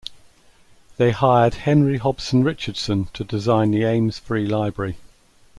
They hired Henry Hobson Richardson to design the Ames Free Library.